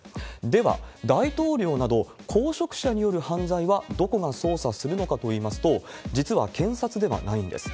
では、大統領など公職者による犯罪はどこが捜査するのかといいますと、実は検察ではないんです。